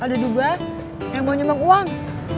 ada juga yang mau nyumbang uang